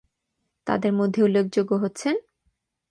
তাদের মধ্যে উল্লেখযোগ্য হচ্ছেন।